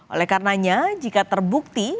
oleh karenanya jika terbukti